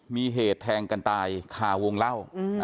มีเหตุแทงกันตายคาวงเล่า